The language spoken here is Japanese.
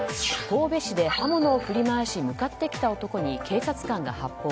神戸市で刃物を振り回し向かってきた男に警察官が発砲。